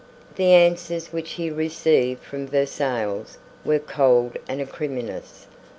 The answers which he received from Versailles were cold and acrimonious.